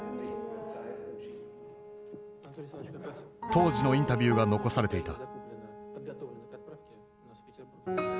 当時のインタビューが残されていた。